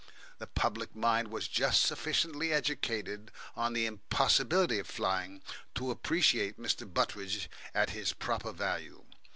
The public mind was just sufficiently educated in the impossibility of flying to appreciate Mr. Butteridge at his proper value.